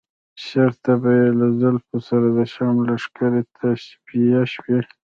چېرته به چې له زلفو سره د شام لښکرې تشبیه شوې.